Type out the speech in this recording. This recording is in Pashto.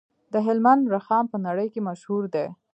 د هلمند رخام په نړۍ کې مشهور دی